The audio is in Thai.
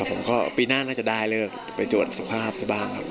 ผมก็ปีหน้าน่าจะได้เลิกไปตรวจสุขภาพซะบ้างครับ